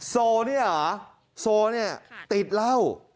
โซเนี่ยติดเล่า